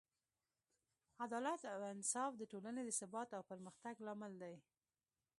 عدالت او انصاف د ټولنې د ثبات او پرمختګ لامل دی.